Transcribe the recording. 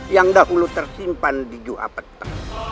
yang dahulu tersimpan di jua petra